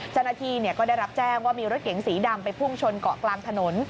เจ้าหน้าที่ก็ได้รับแจ้งว่ามีรถเก๋งสีดำไปพุ่งชนเกาะกลางถนน